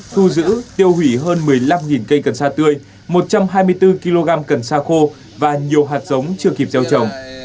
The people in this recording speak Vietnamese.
thu giữ tiêu hủy hơn một mươi năm cây cần sa tươi một trăm hai mươi bốn kg cần sa khô và nhiều hạt giống chưa kịp gieo trồng